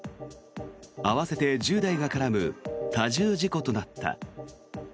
合わせて１０台が絡む多重事故となった。